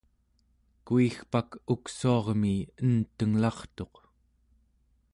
kuigpak uksuarmi entenglartuq